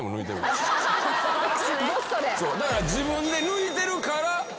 だから自分で抜いてるから嫌なんよ。